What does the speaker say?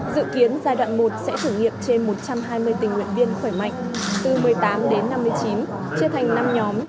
dự kiến giai đoạn một sẽ thử nghiệm trên một trăm hai mươi tình nguyện viên khỏe mạnh từ một mươi tám đến năm mươi chín chia thành năm nhóm